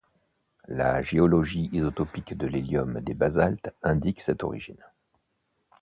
La géologie isotopique de l'hélium des basaltes indique cette origine.